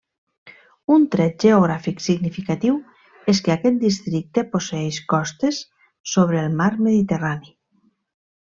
Un tret geogràfic significatiu és que aquest districte posseeix costes sobre el mar Mediterrani.